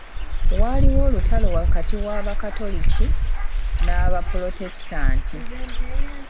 Waaliwo olutalo wakati w'Abakatoliki n'Abaprotestanti.